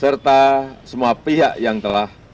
serta semua pihak yang telah